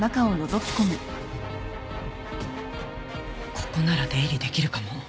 ここなら出入りできるかも。